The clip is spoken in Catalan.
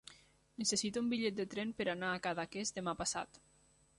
Necessito un bitllet de tren per anar a Cadaqués demà passat.